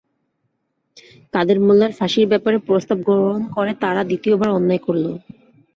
কাদের মোল্লার ফাঁসির ব্যাপারে প্রস্তাব গ্রহণ করে তারা দ্বিতীয়বার অন্যায় করল।